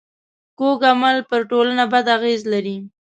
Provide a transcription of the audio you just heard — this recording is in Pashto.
کوږ عمل پر ټولنه بد اغېز لري